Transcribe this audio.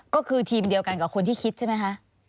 ก็คือทีมเดียวกันกับคนที่คิดใช่ไหมคะ